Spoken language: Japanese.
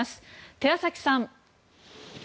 寺崎さん。